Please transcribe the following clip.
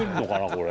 これ。